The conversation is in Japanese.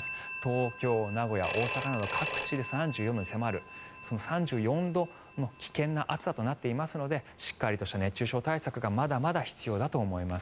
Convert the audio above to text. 東京、名古屋、大阪など各地で３４度に迫る３４度の危険な暑さとなっていますのでしっかりとした熱中症対策がまだまだ必要だと思います。